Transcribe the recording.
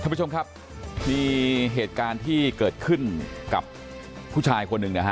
ท่านผู้ชมครับมีเหตุการณ์ที่เกิดขึ้นกับผู้ชายคนนึง